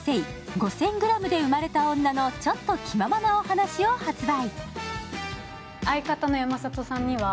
「５０００グラムで生まれた女の子のちょっと気ままなお話」を発売。